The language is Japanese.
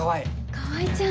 川合ちゃん！